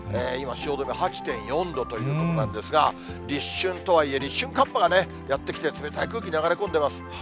今、汐留８．４度ということなんですが、立春とはいえ、立春寒波がやって来て、冷たい空気、流れ込んでます。